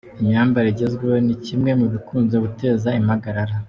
Imyambarire igezweho ni kimwe mu bikunze guteza impagarara.